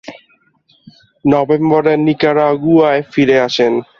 নভেম্বরে নিকারাগুয়ায় ফিরে আসেন।